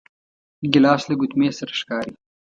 ګیلاس له ګوتمې سره ښکاري.